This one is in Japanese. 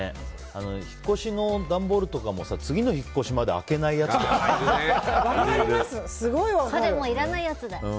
引っ越しの段ボールとかもさ次の引っ越しまで開けないやつとかいるよね。